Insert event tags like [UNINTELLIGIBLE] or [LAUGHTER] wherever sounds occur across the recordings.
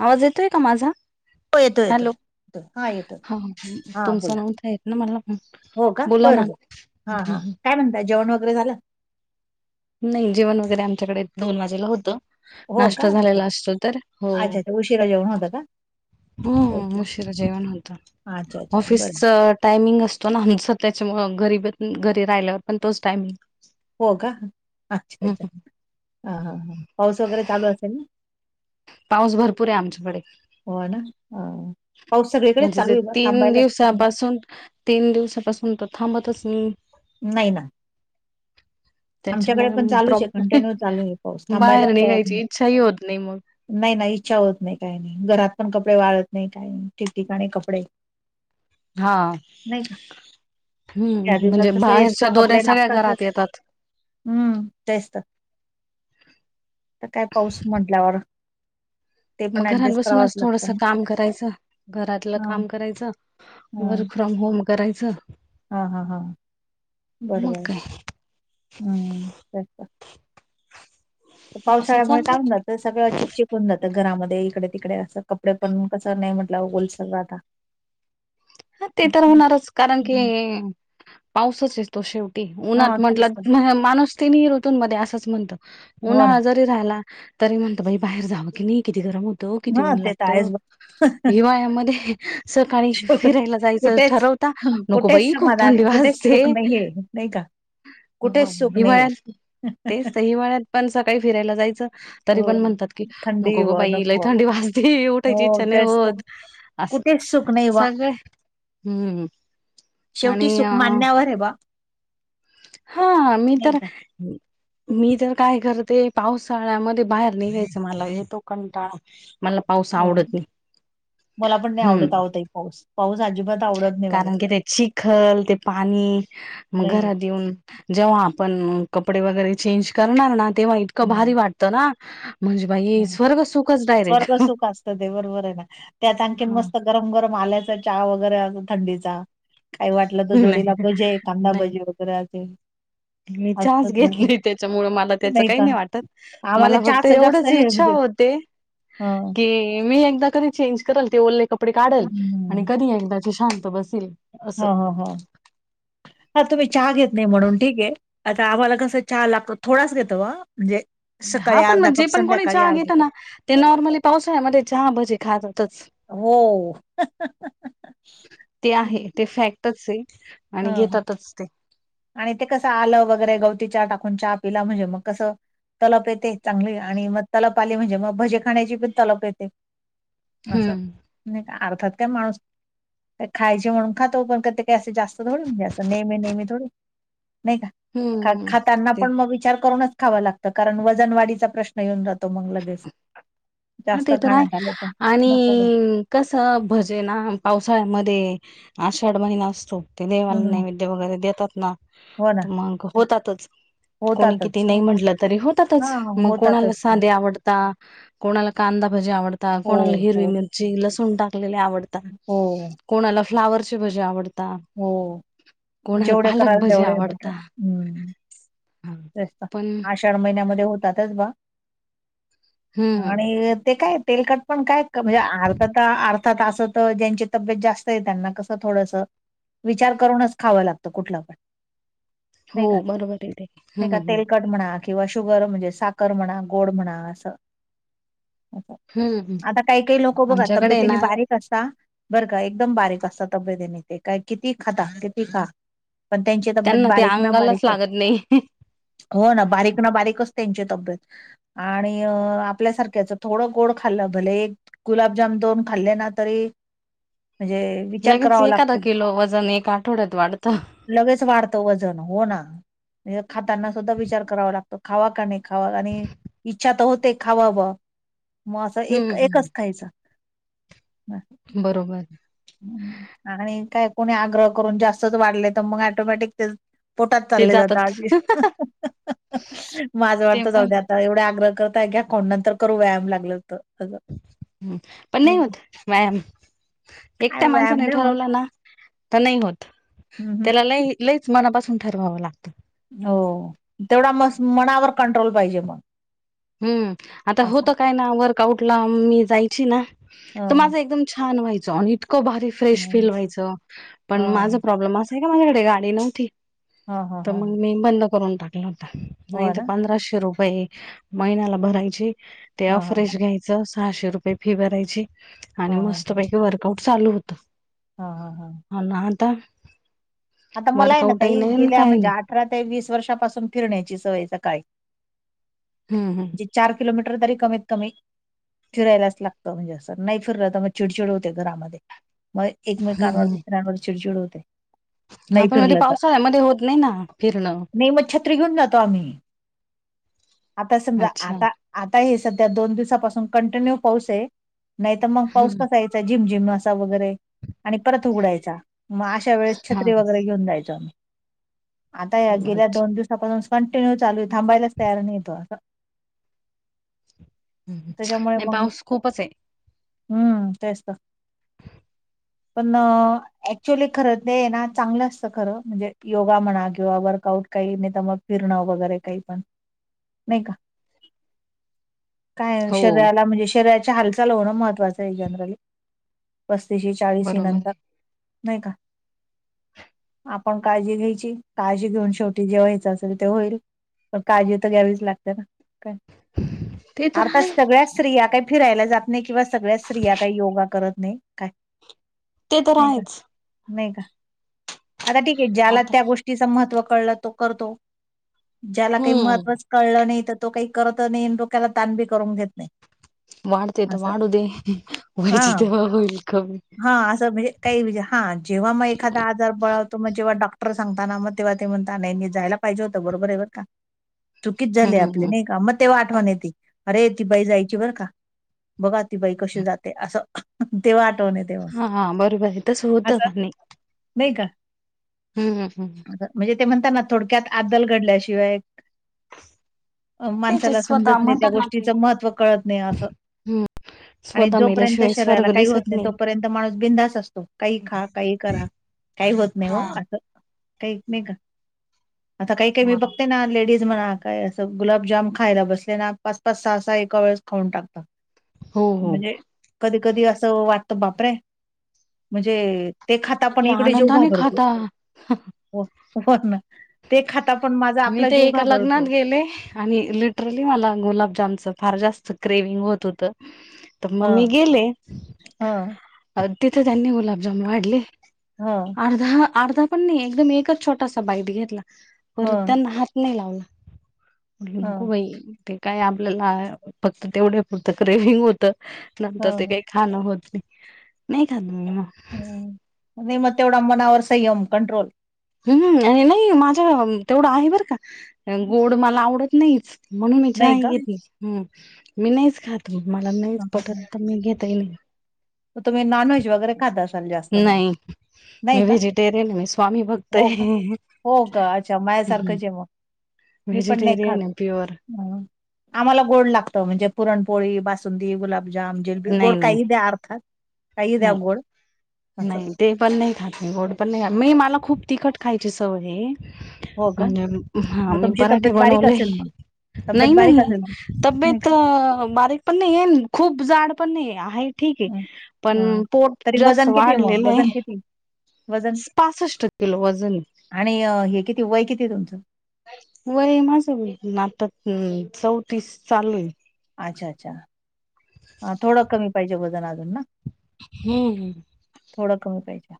आवाज येतोय का माझा? हो येतोय येतोय. हॅलो हा येतो, हा तुमचा बोला, नव्हता येत ना मला पण हो का? बोला ना बरबर हा हा. काय म्हणताय जेवण वगैरे झालं? नाही जेवण वगैरे आमच्याकडे दोन वाजेला होतं. हो का नाश्ता अच्छा झालेला असतो तर, हो. अच्छा अच्छा. उशिरा जेवण होतं का ओके हम्म उशिरा जेवण होतं. अच्छा अच्छा ऑफिसच बरं टायमिंग असतो ना आमचं त्याच्यामुंळ घरी ब घरी राहिल्यावर पण तोच टायमिंग. हो का? अच्छा! अच्छा! ह ह हा पाऊस वगैरे चालू असेल ना? पाऊस भरपूर आहे आमच्याकडे. हो ना हा. पाऊस [INAUDIBLE] सगळीकडेच म्हणजे चालू जे आहे बा, तीन थांबायलाच दिवसापासून, तीन दिवसापासून तो थांबतच नाही. नाही ना. आमच्याकडे पण त्याच्यामुळे चालूच आहे कंटिन्यू प्रॉब्लेम चालू आहे पाऊस थांबायलाच बाहेर तयार निघायची नाही. इच्छाही होत नाही मग [INAUDIBLE] नाही नाही इच्छा होत नाही काही नाही घरात पण कपडे वाळत नाही काही नाही ठिकठिकाणी कपडे. हा, नाही का हम्म या दिवसात म्हणजे कसं बाहेरच्या एक्स्ट्रा कपडे दोऱ्या सगळ्या घरात लागतातच येतात. हम्म तेच तर, आता काय पाऊस म्हटल्यावर. ते पण मग घरात ऍडजस्ट करावंच बसूनच थोडस लागतं ना. काम करायचं घरातलं हा काम करायच, वर्क फ्रॉम होम करायचं. हां हां हां, मग बरंबर काय हम्म तेच ना. असं पावसाळ्यामुळे चाललंय काम जात सगळं चिपचिप होउन जातं घरामध्ये इकडे-तिकडे असं कपडे पण कसं नाही म्हटलं ओलसर राहता. [INAUDIBLE] हा ते तर होणारच कारण की हम्म. पाऊसच येतो शेवटी हा उन्हात म्हटला तेच तर माणूस तिनही ऋतूंमध्ये असंच म्हणतो. हो ना उन्हाळा जरी राहिला तरी म्हणतो बाई बाहेर जावं की नाही किती गरम होतो किती हा ऊन ते तर लागत, आहेच बघ हिवाळ्यामध्ये सकाळी फिरायला जायचं कुठेच ठरवता हं, नको कुठेच बाई खूप समाधान थंडी कुठेच वाजते. सुख नाहीये नाही का हो कुठेच सुख नाहीये. हिवाळ्यात, तेच तर हिवाळ्यात पण सकाळी फिरायला जायचं. तरी हो पण म्हणतात की थंडी नको ग व बाई लय नको थंडी वाजते हो उठायची इच्छा नाही तेच तर होत. असं कुठेच सुख नाही ब बा, सगळे हम्म आणि शेवटी सुख माण्यावर आहे बा. हा मी नाही तर का मी तर काय करते पावसाळ्यामध्ये बाहेर निघायचं मला येतो कंटाळा. मला पाऊस हो, आवडत नाही मला पण नाही आवडत हम्म आहो ताई पाऊस, पाऊस अजिबात आवडत नाही मला कारण की ते चिखल, ते पाणी मग नाही घरात येऊन जेव्हा आपण कपडे वगैरे चेंज करणार ना तेव्हा इतकं भारी वाटत ना. म्हणजे बाई हम्म, स्वर्ग सुखच स्वर्ग डायरेक्ट सुख असत ते बरोबर आहे ना त्यात आणखीन हा मस्त गरम गरम आल्याच चा वगैरे अस थंडीचा. काही वाटलं तर जोडीला नाही भजे, नाही कांदा-भजे वगैरे असे. मी चहाच असतच भारी घेतले त्याच्यामुळे मला त्याच काही नाही वाटत. आम्हाला मला फक्त चहाचं जास्त हे एवढं आहे इच्छा म्हणजे होते हं, की मी एकदा कधी चेंज करल ते ओले कप कपडे काढल आणि हं. कधी एकदा ची शांत बसेल. ह असं ह हा. हा तुम्ही चहा घेत नाही म्हणून ठीक आहे आता आम्हाला कसं चहा लागत थोडाच घेत ह म्हणजे. सकाळी हा पण अर्धा मग जे कप पण कोणी संध्याकाळी चहा अर्धा घेेतो कप ना ते नॉर्मली पावसाळ्यामध्ये चहा बजे खातातच. हो. ते आहे हं ते फॅक्टच आहे आणि हं. घेतातच ते. आणि ते कसं आलं वगैरे गवती चहा टाकून चहा पिला म्हणजे मग कसं तलप येते चांगली आणि मग तलप आली म्हणजे मग भजे खाण्याची पण तलप येते. अस. हम्म नाही का अर्थात काय माणूस, खायचे म्हणून खातो पण क ते काही असे जास्त थोडी नेहमी-नेहमी थोडी नाही का? हम्म खा-खातना ते पण मग विचार करूनच खाव लागतं. कारण वजन वाढीचा प्रश्न येऊन जातो मग लगेच. हा जास्त ते तर आहे, खाण्यात आले तर नको मग आणि कसं भजेना पावसाळ्यामध्ये आषाढ महिना असतो. ते देवाला हम्म नैवेद्य वगैरे देतात ना हो ना तर मग होतातच. कोणी किती होतातच. नाही म्हटलं तरी हा होतातच मग कोणाला होतातच ते साधे आवडता, - कोणाला कांदा भजी आवडतात, हो कोणाला हिरवी हो मिरची लसूण टाकलेले आवडता. हो. कोणाला फ्लावरचे भजे आवडत. हो, जेवढे पालक कराल भजे तेवढे बटा, आवडता हम्म. हा. तेच तर. पण आषाढ महिन्यामध्ये होतातच बा हम्म आणि ते काय तेलकट पण काय म्हणजे अर्थ-अर्थात असं तर ज्यांची तब्येत जास्त आहे त्यांना कसं थोडस विचार करूनच खावं लागतं कुठलं पण. हो नाही का बरोबर आहे ते, नाही का हम्म. तेलकट म्हणा किंवा शुगर म्हणजे, साखर म्हणा, गोड म्हणा असं. हम्म आता काही-काही लोक बघा आमच्याकडे आहे तब्यतीने ना बारीक कसा बर का एकदम बारीक असा तब्यतीने ते काय किती खाता किती खा. पण त्यांची तब्येत त्यांना ते बारीक ना अंगालाच बारीकच. लागत नाही [INAUDIBLE] हो ना बारीक ना बारीकच त्यांची तब्येत. आणि आपल्यासारख्याच थोडं गोड खाल्लं भले एक गुलाबजाम दोन खाल्ले ना तरी म्हणजे विचार लगेच करावा एखादा लागतो किलो वजन एक आठवड्यात वाढतं. लगेच वाढतं वजन हो ना. म्हणजे खाताना सुद्धा विचार करावा लागतो खावा का नाही खावा का नाही. इच्छा तर होते खावावं मग असं हम्म एक-एकच खायच. हम्, बरोबर. आणि काय कोणी आग्रह करून जास्तच वाढले तर मग ऍटोमॅटिक ते पोटात ते चालले जात जातात आजी. [UNINTELLIGIBLE] माझं ते वाटतं पण जाऊद्या आहे आता एवढा आग्रह करताय, घ्या खाऊन, नंतर करू व्यायाम लागलं तर. अगं ह पण नाही होत, व्यायाम. काय एकट्या व्यायाम माणसाने नाही होत ठरवलं ना, तर नाही होत, हं, हं. त्याला लई लईच मनापासून ठरवावं लागतं. हो, तेवढा म मनावर कंट्रोल पाहिजे मग. हम्म, आता असं होत काय ना, वर्कआउट ला मी जायची ना ह तर माझं एकदम छान व्हायचं, आणि इतकं भारी फ्रेश फील ह व्हायचं, पण माझा प्रॉब्लेम असा आहे का माझ्याकडे गाडी नव्हती. ह ह तर मग ह मी बंद करून टाकलं होतं, हो नाही तर ना पंधराशे रुपये महिन्याला भरायची, ते ह ह ह ऑफरेश घ्यायचं, सहाशे रुपये फी भरायची. ह आणि मस्त पैकी वर्कआउट चालू होत. हा हा हा. हो ना आता. आता मला आहे ना वर्कआउटही ताई, नाही गेल्या काही म्हणजे नाही अठरा ते वीस वर्षापासून फिरण्याची सवय आये, सकाळी. हम ह्. ते चार किलोमीटर तरी कमीत कमी फिरायलाच लागतं, म्हणजे असं नाही फिरलं तर मग चिडचिड होते घरामध्ये. मग एकमेकांवर, दुसऱ्यांवर चिडचिड होते. हां, नाही पण म फिरलं तर पावसाळ्यामध्ये होत नाही ना फिरणं. त्री घिऊन जातो आम्ही, आता समजा, अच्छा आता आता हे सध्या दोन दिवसापासून कंटिन्यू पाऊस आहे, नाही तर मग पाऊस हम्म कसा आहे जिमजिम असा वगैरे, आणि परत उगडायचा, म अशा वेळेस छ हा जायचं. आता या गेल्या अच्छा दोन दिवसा पासून कंटि्यू चालू थांबायलाच तयार नाही येतो, असं. हम्म. [INAUDIBLE] त्याच्यामुळे नाही मग, पाऊस खूपच आहे हम्म, तेच तर. पण, ऍक्च्युअली खरंच ते ना चांगलं असतं खरं, म्हणजे योगा म्हणा, किंवा वर्कआउट, काही नाही त्या मग फिरणं वगैरे काही पण. नाही का? [INAUDIBLE] काय, हो शरीराला म्हणजे शरीराच्या हालचाल होणं महत्त्वाचं आहे जनरली. पस्तीशी, चाळीसी बरोबर नंतर, आहे नाही का. आपण काळजी घ्यायची, काळजी घेऊन शेवटी जे व्हायच असेल ते होईल. काळजी तर घ्यावीच लागते ना काय? ते अरे तर र्तर आहे सगळ्याच स्त्रिया काय फिरायला जात नाही किंवा सगळ्याच स्त्रिया काही योगा करत नाही, काय? ते तर नाही का? आहेच नाही का? आता ठीक आहे, ज्याला आता त्या गोष्टीच महत्त्व कळलं तो करतो, ज्याला काही हम्म महत्त्वच कळलं नाही तर तो काही करत नाही आणि डोक्याला ताण बी करून घेत नाही. वाढते तर असं वाढू दे, हा वायच तर होईल कमी. हा, असं म्हणजे, काही म्हणजे हा जेव्हा मग एखादा आजार बळवतो, मग जेव्हा डॉक् टर सांगतोना, मग तेव्हा ते म्हणता, नाही जायला पाहिजे होतं बरोबर आहे बर का. चुकीच झाले आपली, हम्म नाही का, म ते आठवण ये ते, अरे ती बाई जायची बरं का, बघा ती बाई कशी जाते, असं. तेव्हा आठवण येत. हा बरोबर आहे, तस होतं, म्हणे. नाही का? हम्म हम्म. म्हणजे ते म्हणताना थोडक्यात आद्दल घडल्याशिवाय. तेचच माणसाला स्वतः समजत नाही त्या म्हणतात ना ते गोष्टीचं महत्त्व कळत नाही असं. हम्म आणि स्वतः जोपर्यंत मेल्याशिवाय शरीराला स्वर्ग काही होत दिसत नाही तोपर्यंत माणूस बिंदास असतो, काही खा, काही करा, काही होत नाही हो हा अस, काही नाही का? आता काही काही मी बरोबर. बघते ना, लेडीज म्हणा हा काय असं गुलाबजाम खायला बसले ना पाच-पाच सहा-सहा एका वेळेस खाऊन टाकतात. हो हो म्हणजे कधी-कधी असं वाटतं बापरे! म्हणजे ते खातात पण किती इकडे जीव आनंदाने घाबरतो. खाता. हो, हो ना. ते खातात पण माझा आपला जीव घाबरतो. केले. आणि लिटरली मला गुलाबजामच फार जास्त क्रेविंग होत होतं. तर ह मग मी गेले, ह तिथे त्यांनी गुलाबजाम वाढले. हा. अर्धा, अर्धा पण नाही एकदम एकच छोटासा बाईट घेतला, पर ह त्यांना हात नाही लावला, म्हटले नको बाई ते काय आपल्याला फक्त तेवढे पुरतं क्रेविंग होत, नंतर ते ह काही खाणं होत नाही, नाही खात मग हम्, नाही म तेवढा मनावर संयम, कंट्रोल. हम्, नाही-नाही माझा तेवढं आहे बरं का, गोड मला आवडत नाहीच. म्हणून मी चहा नाही ही का घेत नाही, ह, मी नाहीच खात. मला नाहीच हं, हं, हं. पटत तर मी घेतही नाही. मग तुम्ही नॉनव्हेज वगैरे खात असाल जास्त मग? नाही. नाही मी का? व्हेजिटेरियन आहे, मी स्वामी भक्त हो का, आहे. हो का, अच्छा मायासारखं जेवा मी पण नाही खात, व्हेजिटेरियन आहे प्युअर आम्हाला गोड लागत म्हणजे पुरणपोळी, बासुंदी बासुंदी, गुलाबजाम, जेलबी, नाही गोड नाही काही द्या अर्थात, काही द्या, नाही. गोड असं नाही, ते पण नाही खात मी गोड पण नाही खात, मी मला खूप तिखट खायची सवय आहे. हो का म्हणजे हा मग मी तुमची पराठे तब्येत बारीक बनवले. असेल मग नाही तब्येत बारीक नाही असेल नाही तब्येत का? बारीक पण नाहीये खूप जाड पण नाहीये, आहे ठीक ए हं. हां. पण पोट तरी जास्त वजन किती ए मग वाढलेलं आहे वजन किती? वजन? पासष्ट किलो वजन आहे. [INAUDIBLE] आणि हे किती वय किती तुमचं? वय माझं आता चौतीस चालू ए. अच्छा! अच्छा! थोडं कमी पाहिजे वजन अजून ना? हम्म. थोडा कमी पाहिजे.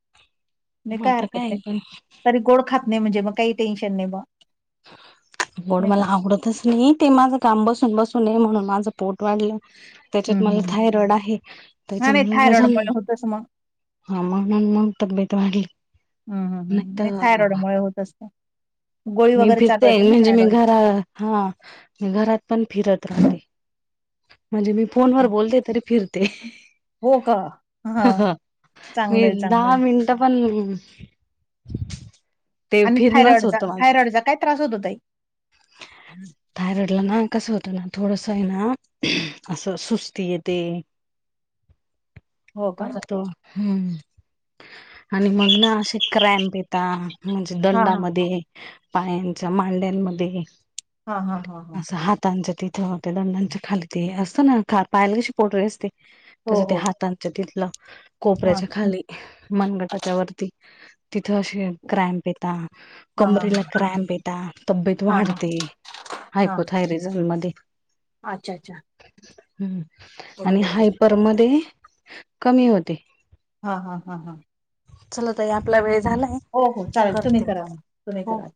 [INAUDIBLE] नाही मग काय आता हरकत नाही, पण तरी गोड खात नाही म्हणजे मग काही टेन्शन नाही बा. गोड मला आवडतच नाही ते माझ काम बसून-बसून ए, म्हणून माझं पोट वाढलं. हं, त्याच्यात मला हं, हं. थायरॉड आहे, हां, नाही त्याच्यामुळे वजन थायरॉइडमुळे होतच मग. त्या हा मण मग तब्येत वाढली हं, हं, नाही हं. तर थायरॉइडमुळे होत असतं. गोळी मी वगैरे चालू फिरते असेल ना म्हणजे मी थायरॉइडची? घर हा मी घरात पण फिरत राहते म्हणजे मी फोनवर बोलते तरी फिरते हो का? ह हां, हा मी चांगलं आहे, चांगलं दहा आहे. मिनट तो पण ते फिरणंच होत माझं--त्या थायरॉईडचा काय त्रास होत ताई?? थायरॉइडला ना कसं होतं ना थोडस ए ना असं सुस्ती येते हो का? पाजतो, हम्म आणि मग ना असे क्रॅम्प देता म्हणजे हां, हां. दंडामध्ये पायांचा मांड्यांमध्ये हा हा हा हा म्हणजे तिथंते, दंडांच्या खाली ते अस ना पायला कशी पोटरी असते, तसे हो, ते हो. हातने तिथलं, हां. कोपऱ्याच्या खाली मनगटाच्या वरती, तिथं असे क्रॅम्प येतात हा हा कमरेला क्रॅम्प येतात, तब्येत हा हा वाढते, हा हायपोथायरिझम मध्ये अच्छा अच्छा आणि ओके ओके हायपर मध्ये कमी होते हा हा हा हां चला ताई आपला वेळ झालाय हो हो चालेल तुम्ही करते मी करा तुम्ही हो करा.